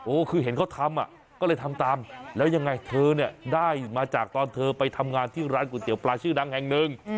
คือเห็นเขาทำอ่ะก็เลยทำตามแล้วยังไงเธอเนี่ยได้มาจากตอนเธอไปทำงานที่ร้านก๋วยเตี๋ยวปลาชื่อดังแห่งหนึ่ง